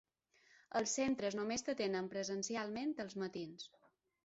Els centres només t'atenen presencialment als matins.